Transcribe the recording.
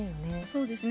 そうですね。